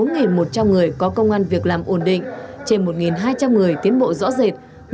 gần bốn một trăm linh người có công an việc làm ổn định trên một hai trăm linh người tiến bộ rõ rệt